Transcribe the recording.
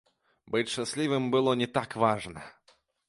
Быць шчаслівым было не так важна.